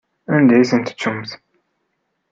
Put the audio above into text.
Anda i tent-tettumt?